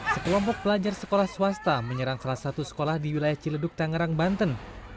sekelompok pelajar sekolah swasta menyerang salah satu sekolah di wilayah ciledug tangerang banten